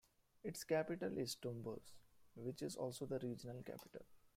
Its capital is Tumbes, which is also the regional capital.